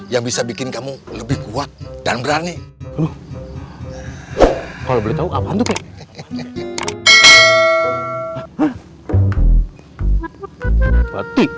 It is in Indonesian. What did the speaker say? yang bisa bikin kamu lebih kuat dan berani kalau boleh tahu apaan tuh kek